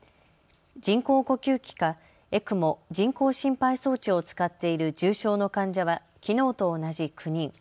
人工呼吸器かＥＣＭＯ・人工心肺装置を使っている重症の患者はきのうと同じ９人。